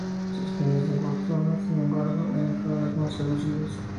Sus bienes de fortuna, sin embargo, eran cada vez más reducidos.